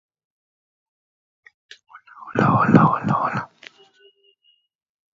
El siguiente diagrama muestra a las localidades en un radio de de Dixon.